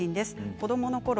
子どものころ